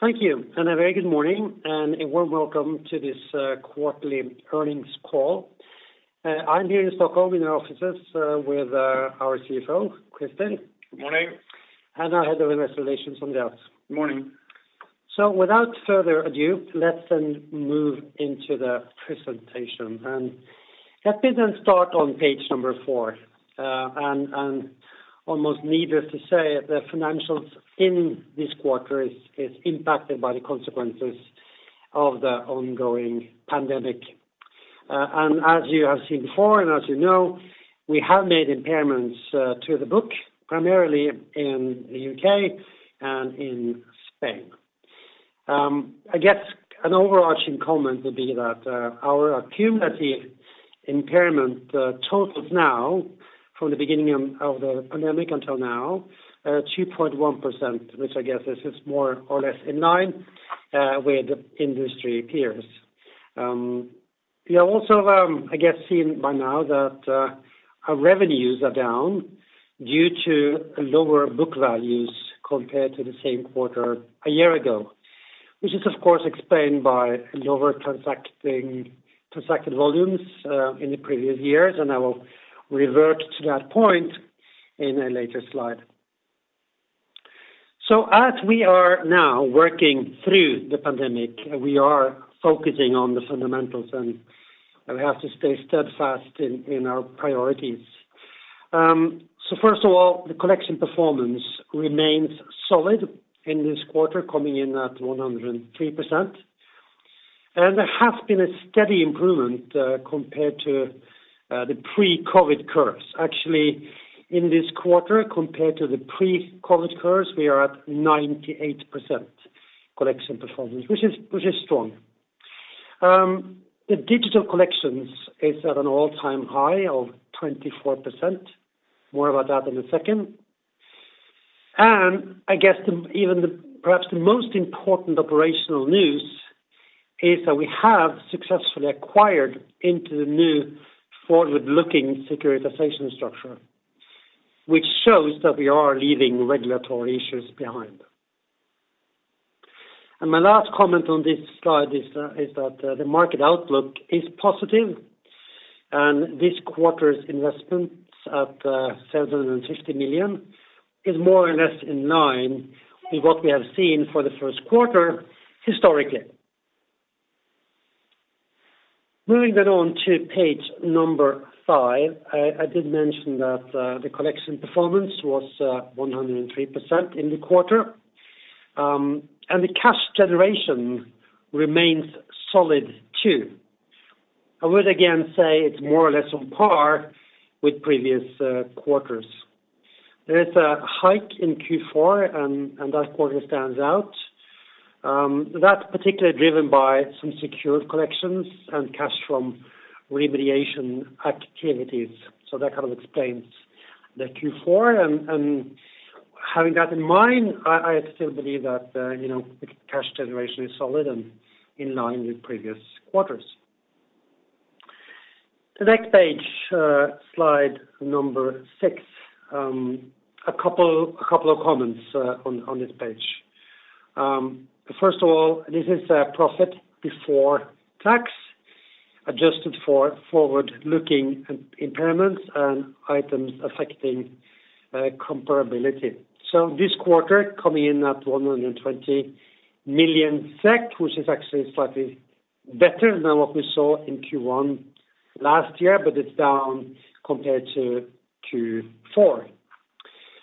Thank you. A very good morning, and a warm welcome to this quarterly earnings call. I'm here in Stockholm in our offices with our CFO, Christer. Morning. Our Head of Investor Relations, Andreas Lindblom. Morning. Without further ado, let's move into the presentation and let me start on page number four. Almost needless to say, the financials in this quarter is impacted by the consequences of the ongoing pandemic. As you have seen before and as you know, we have made impairments to the book, primarily in the U.K. and in Spain. I guess an overarching comment would be that our cumulative impairment totals now from the beginning of the pandemic until now, 2.1%, which I guess is more or less in line with industry peers. You have also, I guess, seen by now that our revenues are down due to lower book values compared to the same quarter a year ago, which is of course explained by lower transacted volumes in the previous years, and I will revert to that point in a later slide. As we are now working through the pandemic, we are focusing on the fundamentals, and we have to stay steadfast in our priorities. First of all, the collection performance remains solid in this quarter, coming in at 103%. There has been a steady improvement, compared to the pre-COVID curves. Actually, in this quarter, compared to the pre-COVID curves, we are at 98% collection performance, which is strong. The digital collections is at an all-time high of 24%. More about that in a second. I guess perhaps the most important operational news is that we have successfully acquired into the new forward-looking securitization structure, which shows that we are leaving regulatory issues behind. My last comment on this slide is that the market outlook is positive, this quarter's investments at 750 million is more or less in line with what we have seen for the first quarter historically. Moving on to page number five, I did mention that the collection performance was 103% in the quarter. The cash generation remains solid too. I would again say it's more or less on par with previous quarters. There is a hike in Q4, that quarter stands out. That's particularly driven by some secured collections and cash from remediation activities. That kind of explains the Q4. Having that in mind, I still believe that the cash generation is solid and in line with previous quarters. The next page, slide number six. A couple of comments on this page. First of all, this is our profit before tax, adjusted for forward-looking impairments and items affecting comparability. This quarter coming in at 120 million SEK, which is actually slightly better than what we saw in Q1 last year, but it's down compared to Q4.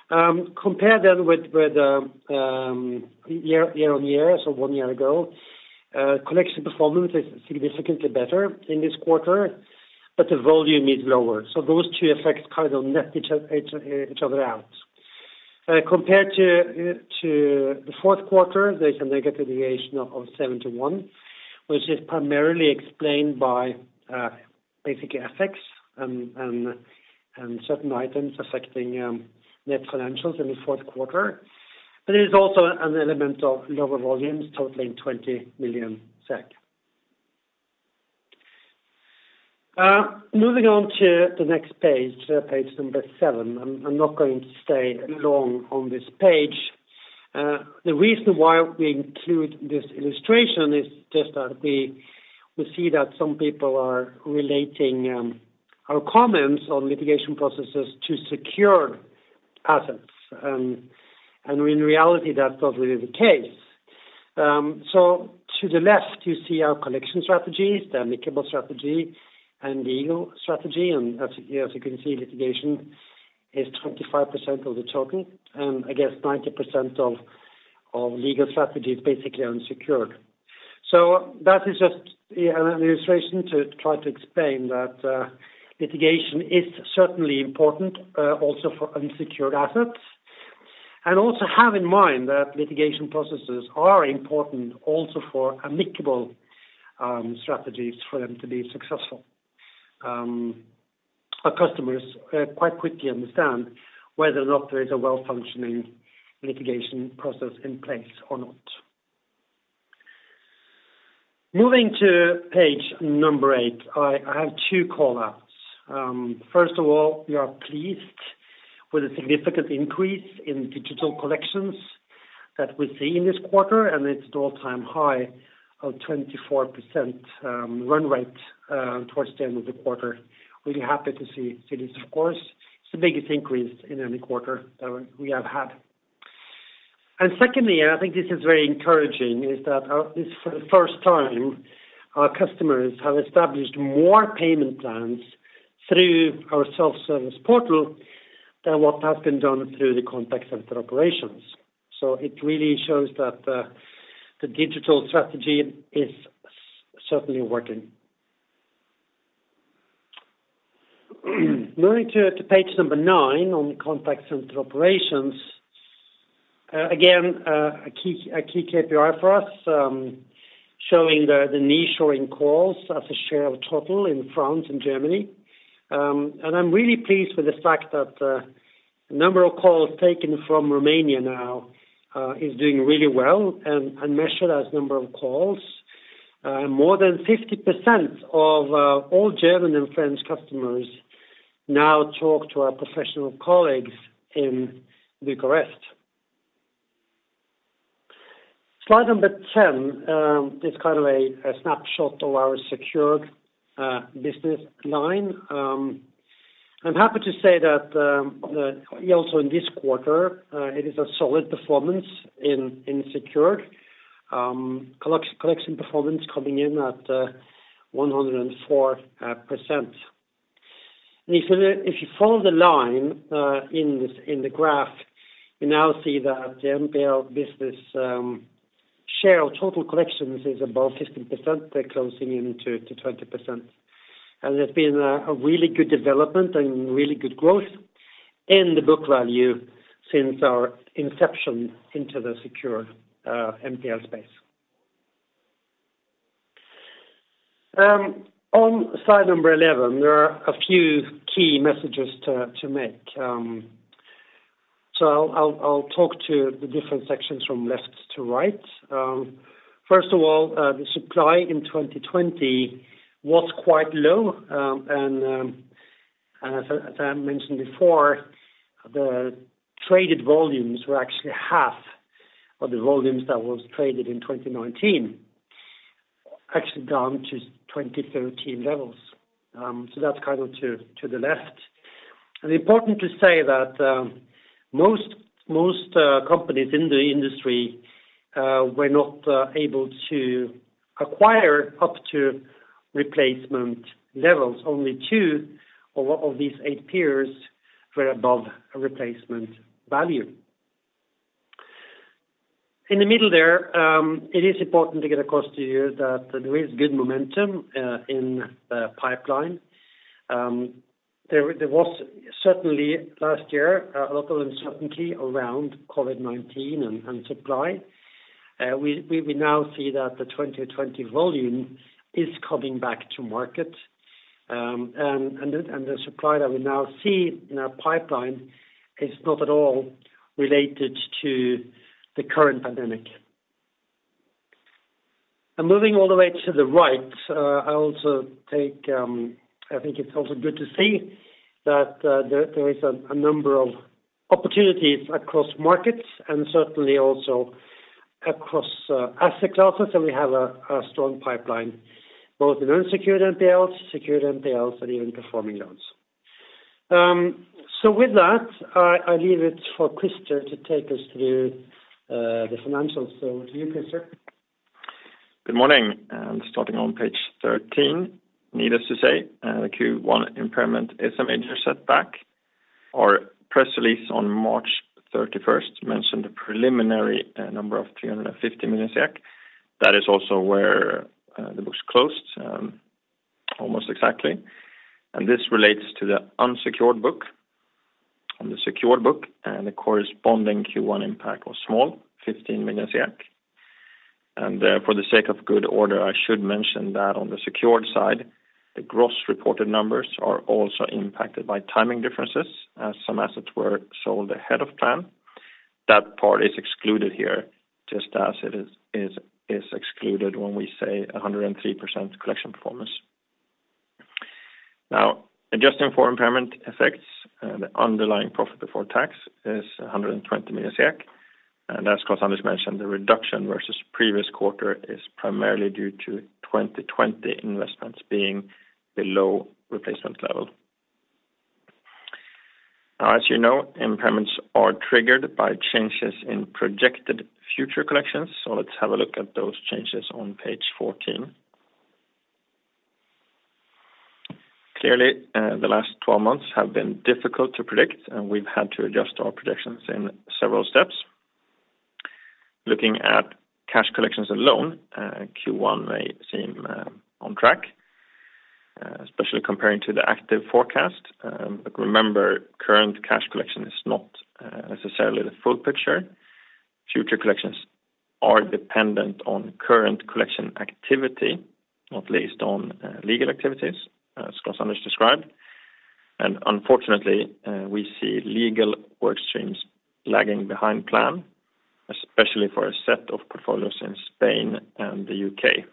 Compare that with the year-on-year, so one year ago. Collection performance is significantly better in this quarter, but the volume is lower. Those two effects kind of net each other out. Compared to the fourth quarter, there's a negative deviation of 71 million, which is primarily explained by basically FX and certain items affecting net financials in the fourth quarter. There is also an element of lower volumes totaling 20 million SEK. Moving on to the next page number seven. I'm not going to stay long on this page. The reason why we include this illustration is just that we see that some people are relating our comments on litigation processes to secure assets. In reality, that's not really the case. To the left, you see our collection strategies, the amicable strategy and legal strategy. As you can see, litigation is 25% of the total, and I guess 90% of legal strategy is basically unsecured. That is just an illustration to try to explain that litigation is certainly important, also for unsecured assets. Also have in mind that litigation processes are important also for amicable strategies for them to be successful. Our customers quite quickly understand whether or not there is a well-functioning litigation process in place or not. Moving to page eight, I have two call-outs. First of all, we are pleased with the significant increase in digital collections that we see in this quarter. It's an all-time high of 24% run rate towards the end of the quarter. Really happy to see this, of course. It's the biggest increase in any quarter that we have had. Secondly, and I think this is very encouraging, is that for the first time, our customers have established more payment plans through our self-service portal than what has been done through the contact center operations. It really shows that the digital strategy is certainly working. Moving to page nine on contact center operations. Again, a key KPI for us, showing the nearshoring calls as a share of total in France and Germany. I'm really pleased with the fact that the number of calls taken from Romania now is doing really well and measured as number of calls. More than 50% of all German and French customers now talk to our professional colleagues in Bucharest. Slide number 10 is kind of a snapshot of our secured business line. I'm happy to say that also in this quarter, it is a solid performance in secured. Collection performance coming in at 104%. If you follow the line in the graph, you now see that the NPL business share of total collections is above 15%. They're closing in to 20%. There's been a really good development and really good growth in the book value since our inception into the secure NPL space. On slide number 11, there are a few key messages to make. I'll talk to the different sections from left to right. First of all, the supply in 2020 was quite low. As I mentioned before, the traded volumes were actually half of the volumes that was traded in 2019, actually down to 2013 levels. That's kind of to the left. Important to say that most companies in the industry were not able to acquire up to replacement levels. Only two of these eight peers were above replacement value. In the middle there, it is important to get across to you that there is good momentum in the pipeline. There was certainly last year, a lot of uncertainty around COVID-19 and supply. We now see that the 2020 volume is coming back to market. The supply that we now see in our pipeline is not at all related to the current pandemic. Moving all the way to the right, I think it's also good to see that there is a number of opportunities across markets and certainly also across asset classes. We have a strong pipeline, both in unsecured NPLs, secured NPLs and even performing loans. With that, I leave it for Christer to take us through the financials. To you, Christer. Good morning. Starting on page 13. Needless to say, the Q1 impairment is a major setback. Our press release on March 31st mentioned a preliminary number of 350 million. That is also where the books closed, almost exactly. This relates to the unsecured book. On the secured book, the corresponding Q1 impact was small, 15 million. For the sake of good order, I should mention that on the secured side, the gross reported numbers are also impacted by timing differences, as some assets were sold ahead of plan. That part is excluded here, just as it is excluded when we say 103% collection performance. Adjusting for impairment effects, the underlying profit before tax is 120 million SEK. As Klaus-Anders mentioned, the reduction versus previous quarter is primarily due to 2020 investments being below replacement level. Now, as you know, impairments are triggered by changes in projected future collections. Let's have a look at those changes on page 14. Clearly, the last 12 months have been difficult to predict, and we've had to adjust our predictions in several steps. Looking at cash collections alone, Q1 may seem on track, especially comparing to the active forecast. Remember, current cash collection is not necessarily the full picture. Future collections are dependent on current collection activity, at least on legal activities, as Klaus-Anders described. Unfortunately, we see legal work streams lagging behind plan, especially for a set of portfolios in Spain and the U.K.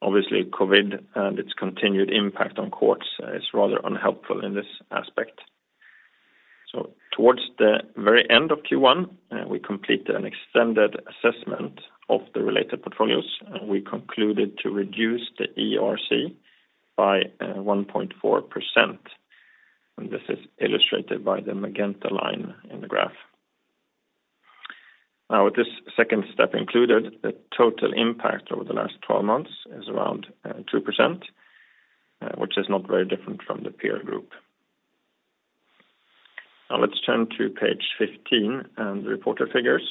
Obviously, COVID and its continued impact on courts is rather unhelpful in this aspect. Towards the very end of Q1, we completed an extended assessment of the related portfolios, and we concluded to reduce the ERC by 1.4%, and this is illustrated by the magenta line in the graph. With this second step included, the total impact over the last 12 months is around 2%, which is not very different from the peer group. Let's turn to page 15 and the reported figures.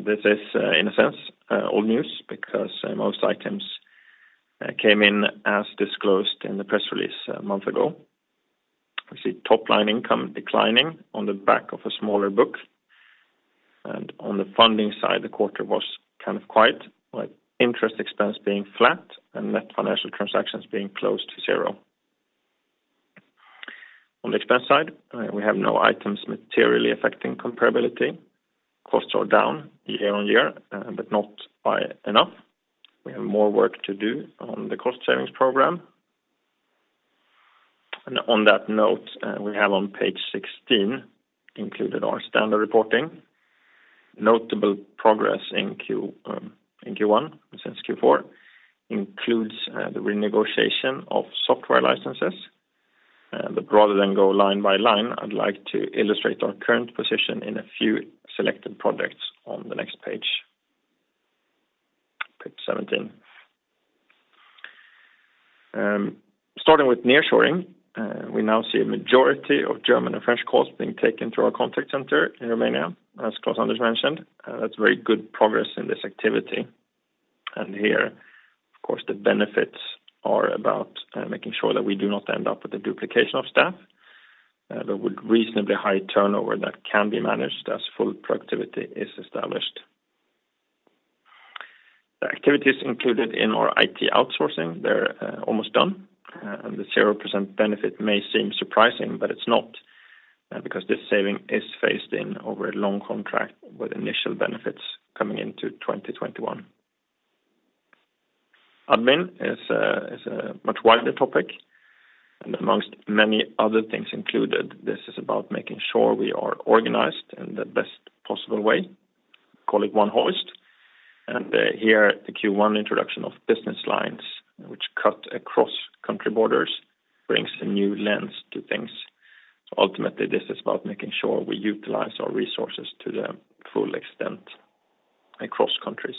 This is, in a sense, old news because most items came in as disclosed in the press release a month ago. We see top-line income declining on the back of a smaller book. On the funding side, the quarter was quiet, with interest expense being flat and net financial transactions being close to zero. On the expense side, we have no items materially affecting comparability. Costs are down year-on-year but not by enough. We have more work to do on the cost savings program. On that note, we have on page 16 included our standard reporting. Notable progress in Q1 since Q4 includes the renegotiation of software licenses. Rather than go line by line, I'd like to illustrate our current position in a few selected projects on the next page 17. Starting with nearshoring, we now see a majority of German and French calls being taken through our contact center in Romania, as Klaus-Anders mentioned. That's very good progress in this activity. Here, of course, the benefits are about making sure that we do not end up with a duplication of staff. There would reasonably high turnover that can be managed as full productivity is established. The activities included in our IT outsourcing, they're almost done. The 0% benefit may seem surprising, but it's not, because this saving is phased in over a long contract with initial benefits coming into 2021. Admin is a much wider topic and amongst many other things included, this is about making sure we are organized in the best possible way, call it One Hoist. Here, the Q1 introduction of business lines which cut across country borders brings a new lens to things. Ultimately, this is about making sure we utilize our resources to their full extent across countries.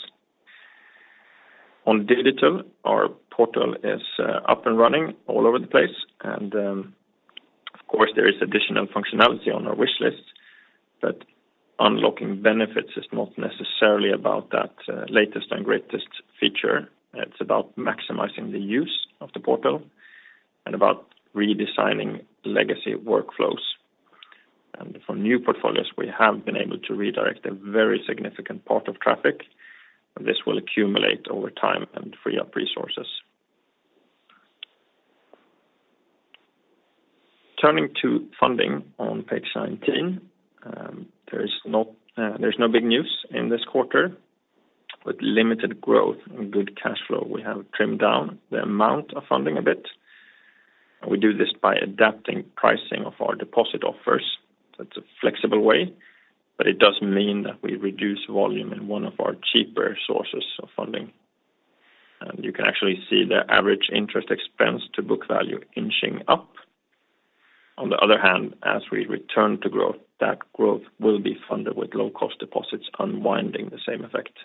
On digital, our portal is up and running all over the place, and of course there is additional functionality on our wish list, but unlocking benefits is not necessarily about that latest and greatest feature. It's about maximizing the use of the portal and about redesigning legacy workflows. For new portfolios, we have been able to redirect a very significant part of traffic. This will accumulate over time and free up resources. Turning to funding on page 19. There's no big news in this quarter. With limited growth and good cash flow, we have trimmed down the amount of funding a bit. We do this by adapting pricing of our deposit offers. That's a flexible way, but it does mean that we reduce volume in one of our cheaper sources of funding. You can actually see the average interest expense to book value inching up. On the other hand, as we return to growth, that growth will be funded with low-cost deposits unwinding the same effect.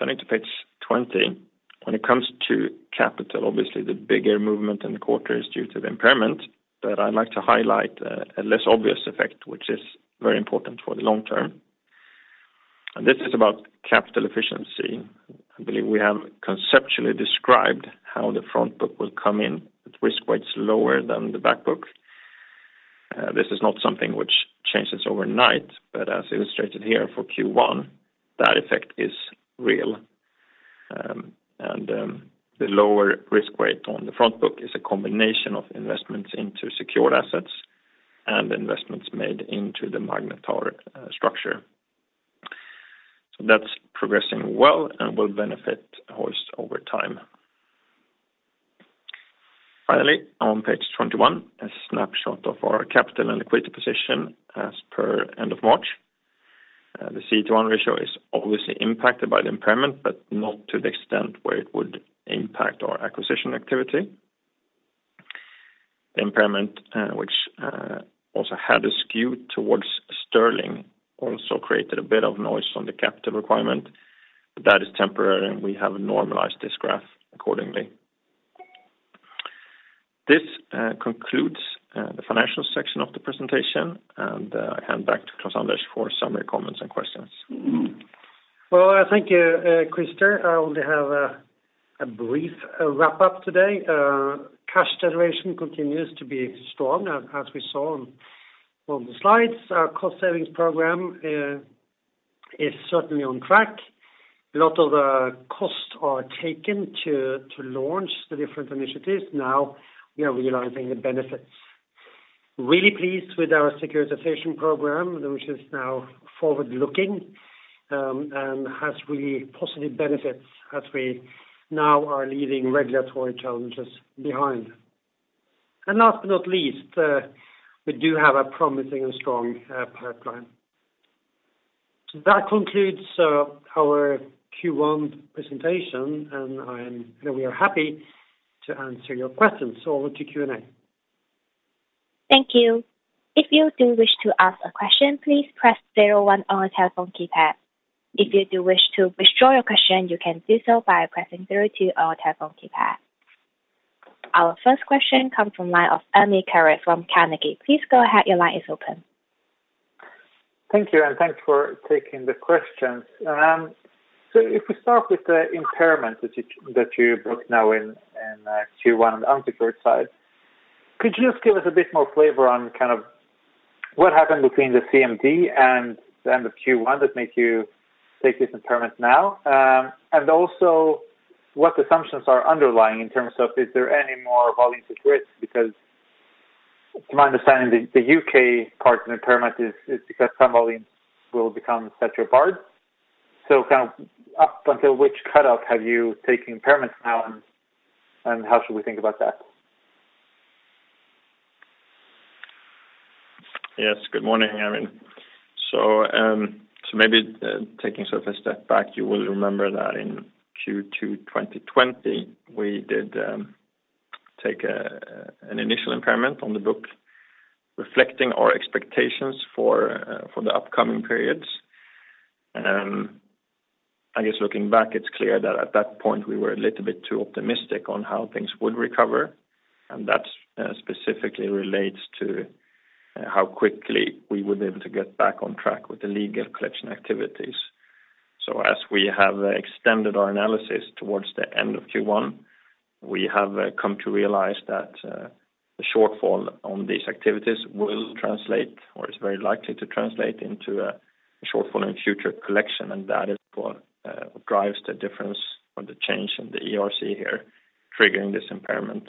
Turning to page 20. When it comes to capital, obviously the bigger movement in the quarter is due to the impairment, but I'd like to highlight a less obvious effect, which is very important for the long term. This is about capital efficiency. I believe we have conceptually described how the front book will come in with risk weights lower than the back book. This is not something which changes overnight, but as illustrated here for Q1, that effect is real. The lower risk weight on the front book is a combination of investments into secured assets and investments made into the Magnetar structure. That's progressing well and will benefit Hoist over time. Finally, on page 21, a snapshot of our capital and liquidity position as per end of March. The CET1 ratio is obviously impacted by the impairment, but not to the extent where it would impact our acquisition activity. The impairment which also had a skew towards sterling also created a bit of noise on the capital requirement, but that is temporary and we have normalized this graph accordingly. This concludes the financial section of the presentation and I hand back to Klaus-Anders for summary comments and questions. Thank you, Christer. I only have a brief wrap up today. Cash generation continues to be strong as we saw on the slides, our cost savings program is certainly on track. A lot of the costs are taken to launch the different initiatives. We are realizing the benefits. Really pleased with our securitization program, which is now forward-looking, and has really positive benefits as we now are leaving regulatory challenges behind. Last but not least, we do have a promising and strong pipeline. That concludes our Q1 presentation, and we are happy to answer your questions. Over to Q&A. Thank you. If you do wish to ask a question, please press zero one on your telephone keypad. If you do wish to withdraw your question, you can do so by pressing zero two on your telephone keypad. Our first question comes from the line of Ermin Keric from Carnegie. Please go ahead. Your line is open. Thank you, thanks for taking the questions. If we start with the impairment that you booked now in Q1 on the unsecured side, could you just give us a bit more flavor on what happened between the CMD and the end of Q1 that made you take this impairment now? Also what assumptions are underlying in terms of, is there any more volumes at risk? To my understanding, the U.K. part of the impairment is because some volumes will become statute-barred. Up until which cut off have you taken impairments now, and how should we think about that? Yes. Good morning, Ermin. Maybe taking a step back, you will remember that in Q2 2020, we did take an initial impairment on the book reflecting our expectations for the upcoming periods. I guess looking back, it's clear that at that point we were a little bit too optimistic on how things would recover, and that specifically relates to how quickly we would be able to get back on track with the legal collection activities. As we have extended our analysis towards the end of Q1, we have come to realize that the shortfall on these activities will translate or is very likely to translate into a shortfall in future collection, and that is what drives the difference or the change in the ERC here triggering this impairment.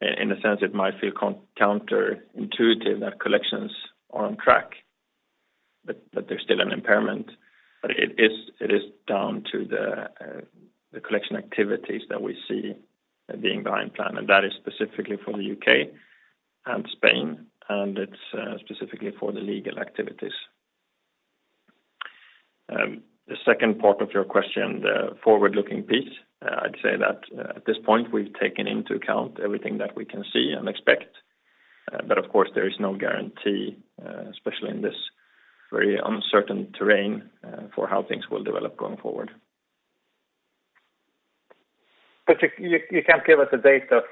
In a sense, it might feel counterintuitive that collections are on track, but there's still an impairment. It is down to the collection activities that we see being behind plan, and that is specifically for the U.K. and Spain, and it's specifically for the legal activities. The second part of your question, the forward-looking piece. I'd say that at this point, we've taken into account everything that we can see and expect. Of course, there is no guarantee, especially in this very uncertain terrain, for how things will develop going forward. You can't give us a date of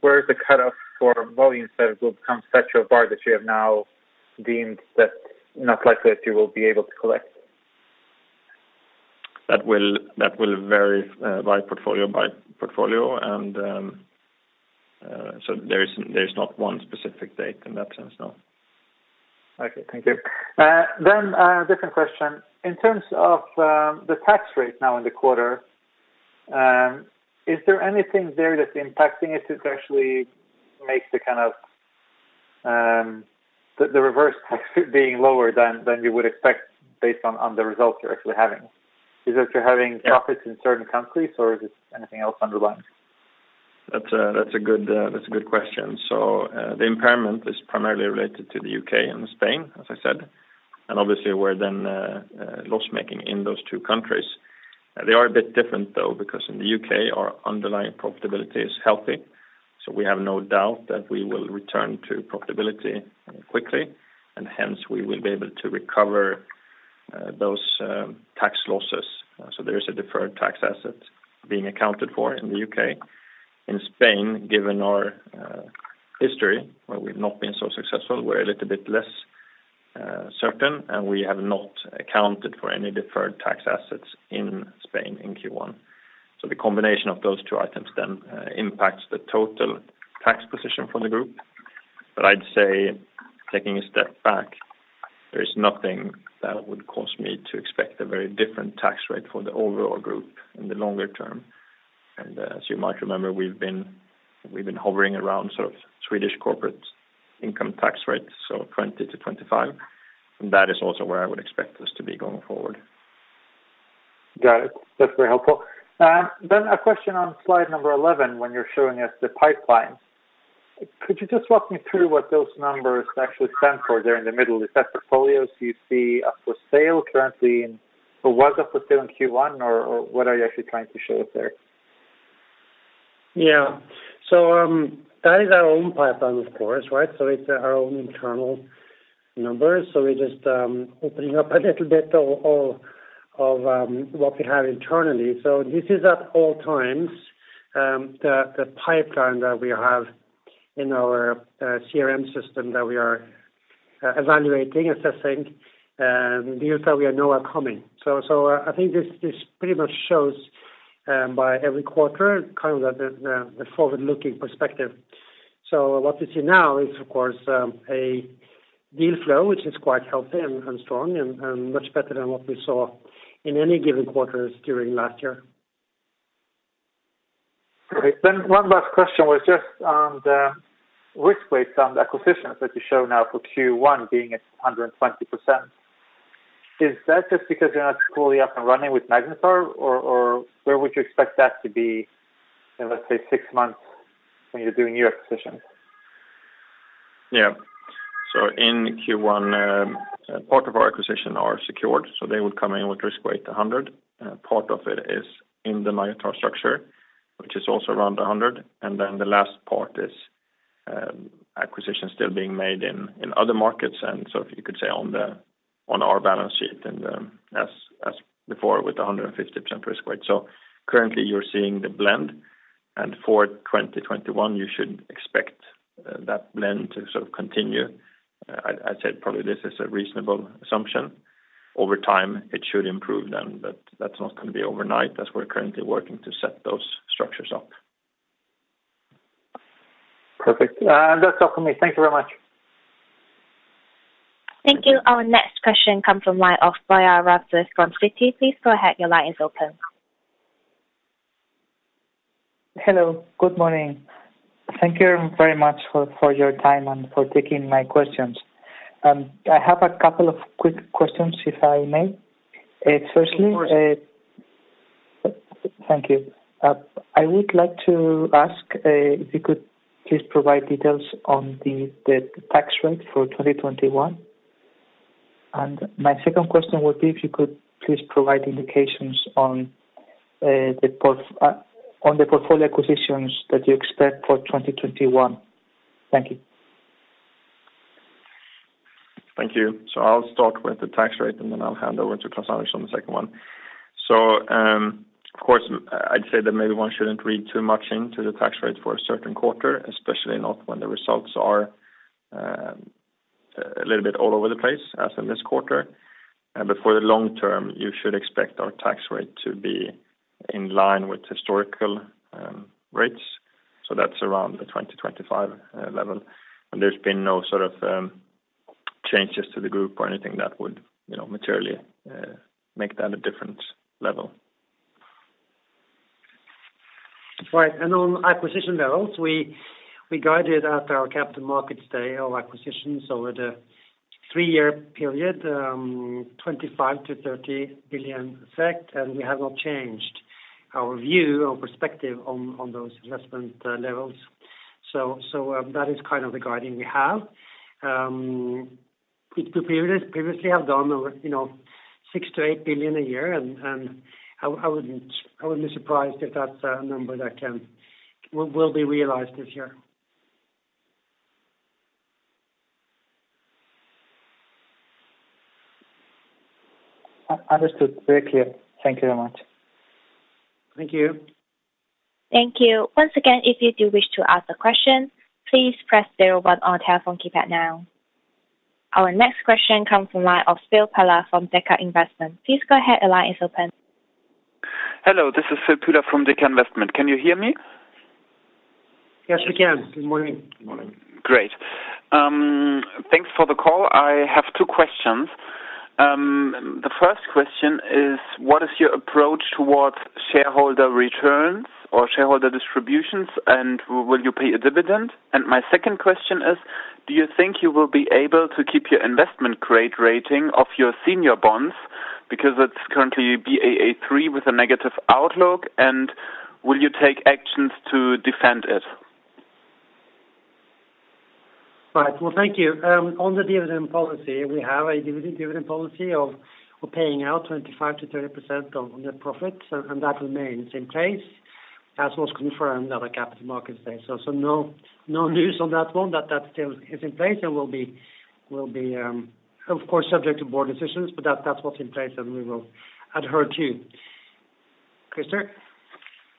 where is the cutoff for volumes that will become statute-barred that you have now deemed that not likely that you will be able to collect? That will vary by portfolio. There is not one specific date in that sense, no. Okay. Thank you. A different question. In terms of the tax rate now in the quarter, is there anything there that's impacting it that actually makes the reverse tax being lower than you would expect based on the results you're actually having? Is it you're having profits in certain countries, or is it anything else underlying? That's a good question. The impairment is primarily related to the U.K. and Spain, as I said. Obviously we're then loss-making in those two countries. They are a bit different though because in the U.K. our underlying profitability is healthy, so we have no doubt that we will return to profitability quickly, and hence we will be able to recover those tax losses. There is a deferred tax asset being accounted for in the U.K. In Spain, given our history where we've not been so successful, we're a little bit less certain, and we have not accounted for any deferred tax assets in Spain in Q1. The combination of those two items then impacts the total tax position for the group. I'd say taking a step back, there is nothing that would cause me to expect a very different tax rate for the overall group in the longer term. As you might remember, we've been hovering around Swedish corporate income tax rates, so 20%-25%, and that is also where I would expect us to be going forward. Got it. That's very helpful. A question on slide number 11 when you're showing us the pipeline. Could you just walk me through what those numbers actually stand for there in the middle? Is that portfolios you see up for sale currently in, or was up for sale in Q1, or what are you actually trying to show us there? Yeah. That is our own pipeline, of course, right? It's our own internal numbers. We're just opening up a little bit of what we have internally. This is at all times the pipeline that we have in our CRM system that we are evaluating, assessing the deals that we know are coming. I think this pretty much shows by every quarter the forward-looking perspective. What we see now is, of course, a deal flow which is quite healthy and strong and much better than what we saw in any given quarters during last year. Great. One last question was just on the risk weights on the acquisitions that you show now for Q1 being at 120%. Is that just because you're not fully up and running with Magnetar, or where would you expect that to be in, let's say, six months when you're doing new acquisitions? Yeah. In Q1, part of our acquisition are secured, so they would come in with risk weight 100. Part of it is in the Magnetar structure, which is also around 100. The last part is acquisitions still being made in other markets, if you could say on our balance sheet and as before, with 150% risk weight. Currently you're seeing the blend, and for 2021, you should expect that blend to sort of continue. I'd say probably this is a reasonable assumption. Over time, it should improve then. That's not going to be overnight as we're currently working to set those structures up. Perfect. That's all for me. Thank you very much. Thank you. Our next question comes from the line of Borja Ramirez from Citi. Please go ahead, your line is open. Hello, good morning. Thank you very much for your time and for taking my questions. I have a couple of quick questions, if I may. Of course. Thank you. I would like to ask if you could please provide details on the tax rate for 2021. My second question would be if you could please provide indications on the portfolio acquisitions that you expect for 2021. Thank you. Thank you. I'll start with the tax rate, and then I'll hand over to Klaus-Anders on the second one. Of course, I'd say that maybe one shouldn't read too much into the tax rate for a certain quarter, especially not when the results are a little bit all over the place, as in this quarter. For the long term, you should expect our tax rate to be in line with historical rates. That's around the 20%-25% level. There's been no sort of changes to the group or anything that would materially make that a different level. Right. On acquisition levels, we guided at our Capital Markets Day our acquisitions over the three-year period, 25 billion-30 billion SEK, and we have not changed our view, our perspective on those investment levels. That is kind of the guiding we have. The two periods previously have gone over 6 billion-8 billion a year, I wouldn't be surprised if that's a number that will be realized this year. Understood. Very clear. Thank you very much. Thank you. Thank you. Once again, if you do wish to ask a question, please press zero on telephone keypad now. Our next question comes from the line of Phil Pühler from Deka Investment. Please go ahead, your line is open. Hello, this is Phil Pühler from Deka Investment. Can you hear me? Yes, we can. Good morning. Morning. Great. Thanks for the call. I have two questions. The first question is, what is your approach towards shareholder returns or shareholder distributions, and will you pay a dividend? My second question is, do you think you will be able to keep your investment grade rating of your senior bonds because it's currently Baa3 with a negative outlook, and will you take actions to defend it? Right. Well, thank you. On the dividend policy, we have a dividend policy of paying out 25%-30% of net profits, and that remains in place, as was confirmed at the Capital Markets Day. No news on that one, that still is in place and will be of course subject to board decisions, but that's what's in place, and we will adhere to. Christer?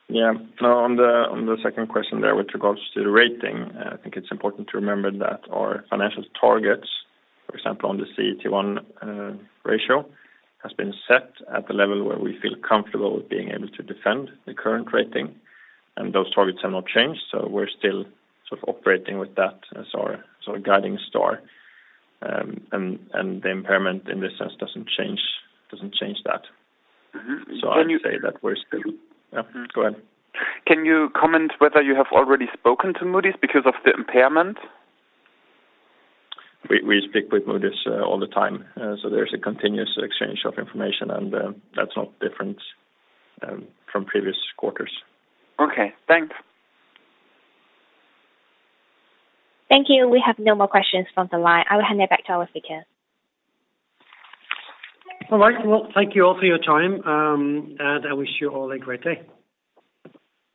Yeah. No, on the second question there with regards to the rating, I think it's important to remember that our financial targets, for example, on the CET1 ratio, has been set at the level where we feel comfortable with being able to defend the current rating, and those targets have not changed. We're still operating with that as our guiding star, and the impairment in this sense doesn't change that. I'd say that we're still Yeah, go ahead. Can you comment whether you have already spoken to Moody's because of the impairment? We speak with Moody's all the time. There's a continuous exchange of information, and that's not different from previous quarters. Okay, thanks. Thank you. We have no more questions from the line. I will hand it back to our speakers. All right. Well, thank you all for your time, and I wish you all a great day.